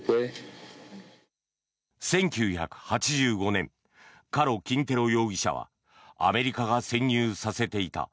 １９８５年カロ・キンテロ容疑者はアメリカが潜入させていた